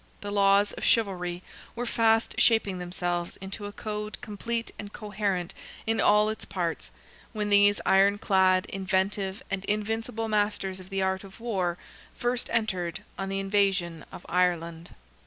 The laws of chivalry were fast shaping themselves into a code complete and coherent in all its parts, when these iron clad, inventive and invincible masters of the art of war first entered on the invasion of Ireland.